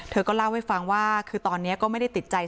เธอก็เล่าให้ฟังว่าคือตอนนี้ก็ไม่ได้ติดใจ